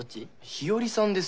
日和さんですよ。